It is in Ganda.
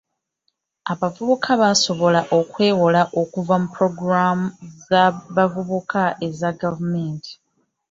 Abavubuka basobola okwewola okuva mu pulogulaamu z'abavubuka eza gavumenti.